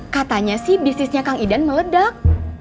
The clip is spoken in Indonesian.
katanya sih bisnisnya kang idan meledak